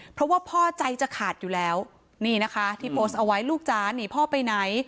เพราะว่าพ่อใจจะขาดอยู่แล้วนี่นะคะที่โพสต์เอาไว้ลูกจ๋าหนีพ่อไปไหน